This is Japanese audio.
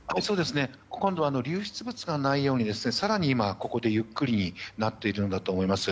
今度は流出物がないように更にここでゆっくりになっているんだと思います。